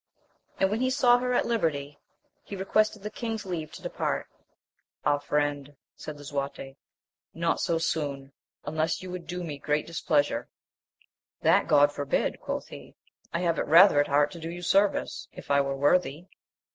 And when he saw her at liberty, he requested the king's leave to depart. Ah, friend, said Lisuarte, not so soon, unless you would do me great displeasure. That God forbid ! quoth he ; I have it rather at heart to do you service, if I were worthy.